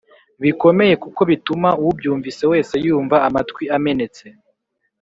bikomeye kuko bituma ubyumvise wese yumva amatwi amenetse